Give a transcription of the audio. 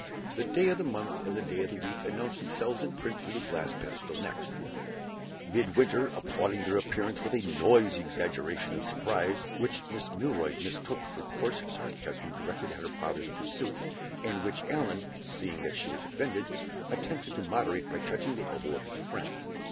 The day of the month and the day of the week announced themselves in print through the glass pedestal next; Midwinter applauding their appearance with a noisy exaggeration of surprise, which Miss Milroy mistook for coarse sarcasm directed at her father's pursuits, and which Allan (seeing that she was offended) attempted to moderate by touching the elbow of his friend.